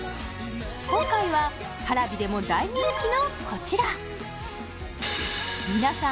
今回はＰａｒａｖｉでも大人気のこちら皆さん